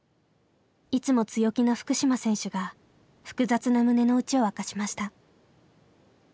いつも強気な福島選手が複雑な胸の内を明かしました。